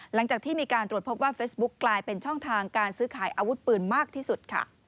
หลังจากที่มีการตรวจพบว่าเฟซบุ๊กกลายเป็นช่องทางการซื้อขายอาวุธปืนมากที่สุดค่ะ